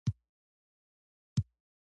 یو فارغ شوی انجینر کولای شي یوازې کار وکړي.